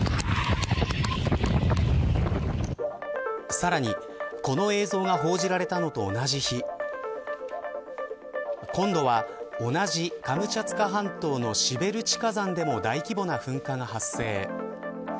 さらにこの映像が報じられたのと同じ日今度は、同じカムチャツカ半島のシベルチ火山でも大規模な噴火が発生。